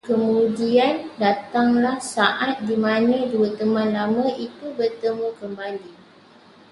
Kemudian datanglah saat dimana dua teman lama ini bertemu kembali